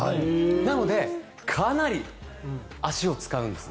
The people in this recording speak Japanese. なので、かなり足を使うんです。